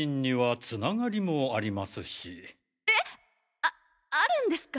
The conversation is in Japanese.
ああるんですか？